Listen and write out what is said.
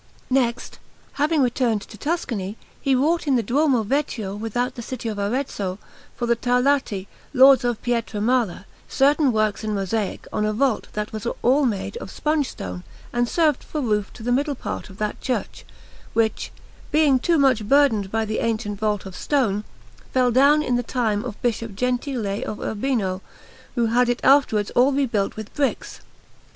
Next, having returned to Tuscany, he wrought in the Duomo Vecchio without the city of Arezzo, for the Tarlati, Lords of Pietramala, certain works in mosaic on a vault that was all made of sponge stone and served for roof to the middle part of that church, which, being too much burdened by the ancient vault of stone, fell down in the time of Bishop Gentile of Urbino, who had it afterwards all rebuilt with bricks.